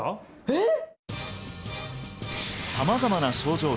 えっ！？